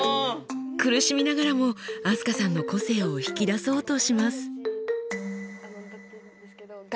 苦しみながらも飛鳥さんの個性を引き出そうとします。